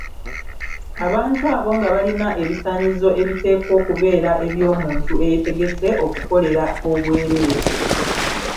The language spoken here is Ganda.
Abantu abo nga balina ebisaanyizo ebiteekwa okubeera eby'omuntu eyeetegese okukolera obwereere.